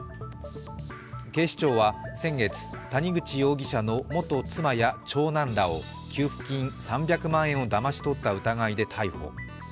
警視庁は先月、谷口容疑者の元妻や長男らを給付金３００万円をだまし取った疑いで逮捕。